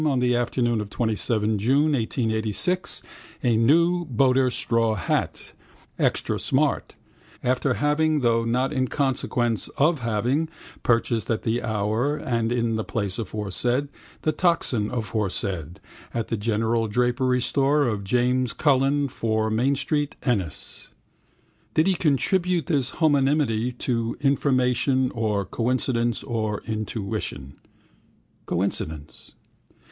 on the afternoon of 27 June 1886 a new boater straw hat, extra smart (after having, though not in consequence of having, purchased at the hour and in the place aforesaid, the toxin aforesaid), at the general drapery store of James Cullen, 4 Main street, Ennis. Did he attribute this homonymity to information or coincidence or intuition? Coincidence.